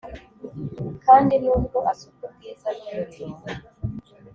kandi nubwo asuka ubwiza n'umuriro